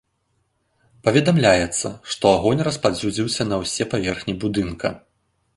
Паведамляецца, што агонь распаўсюдзіўся на ўсе паверхі будынка.